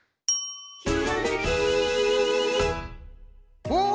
「ひらめき」ん？